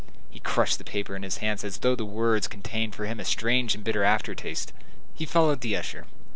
He crushed the paper in his hand as though those words contained for him a strange and bitter aftertaste. He followed the usher.